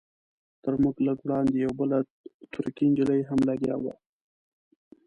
تر موږ لږ وړاندې یوه بله ترکۍ نجلۍ هم لګیا وه.